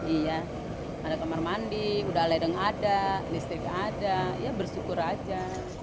iya ada kamar mandi udah ledeng ada listrik ada ya bersyukur aja